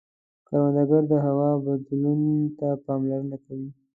کروندګر د هوا بدلون ته پاملرنه کوي